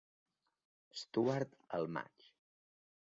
Stuart al maig.